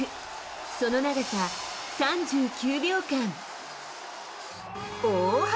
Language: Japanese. その長さ３９秒間。